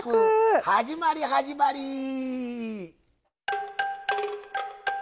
始まり始まり！